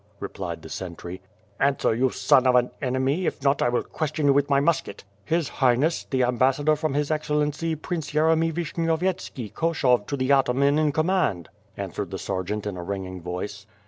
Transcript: replied the sentry. "Answer, you son of an enemy, if not, I will question you with my musket." "His Highness, the Ambassador from his Excellency, Prince Yercmy Vishnyovyetski, Koshov to the Ataman in com mand," answered the sergeant in a ringing voice.